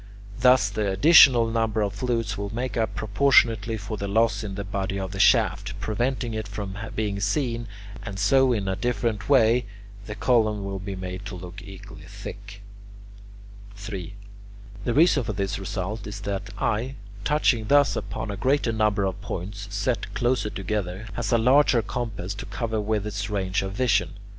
Thus the additional number of flutes will make up proportionately for the loss in the body of the shaft, preventing it from being seen, and so in a different way the columns will be made to look equally thick. [Illustration: VITRUVIUS' TEMPLE PLAN COMPARED WITH ACTUAL EXAMPLES] 3. The reason for this result is that the eye, touching thus upon a greater number of points, set closer together, has a larger compass to cover with its range of vision.